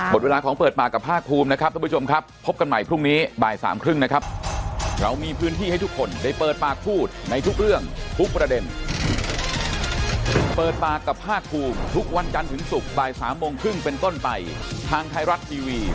หมดเวลาของเปิดปากกับภาคภูมินะครับทุกผู้ชมครับพบกันใหม่พรุ่งนี้บ่ายสามครึ่งนะครับ